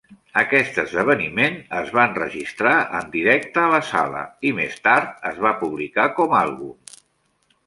Aquest esdeveniment es va enregistrar en directe a la sala i més tard es va publicar com a àlbum.